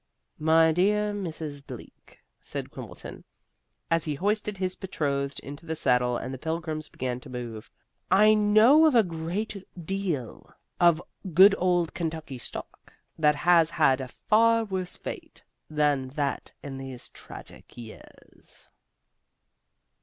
"My dear Mrs. Bleak," said Quimbleton, as he hoisted his betrothed into the saddle and the pilgrims began to move, "I know of a great deal of good old Kentucky stock that has had a far worse fate than that in these tragic years."